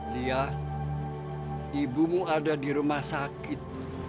lihat ibumu ada di rumah sakit